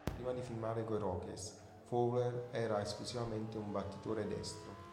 Prima di firmare con i Rockies, Fowler era esclusivamente un battitore destro.